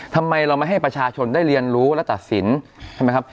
ทำไมเราไม่ให้ประชาชนได้เรียนรู้และตัดสินใช่ไหมครับ